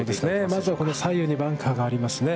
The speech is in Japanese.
まずは左右にバンカーがありますね。